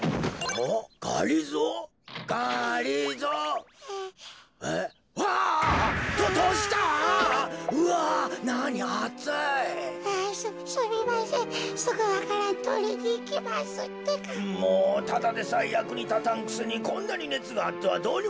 もうただでさえやくにたたんくせにこんなにねつがあってはどうにもならんわい。